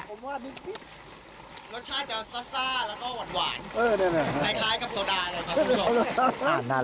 รสชาติจะซ่าแล้วก็หวาน